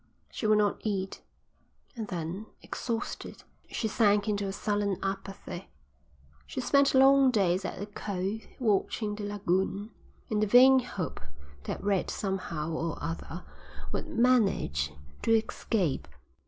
She would not eat. And then, exhausted, she sank into a sullen apathy. She spent long days at the cove, watching the lagoon, in the vain hope that Red somehow or other would manage to escape.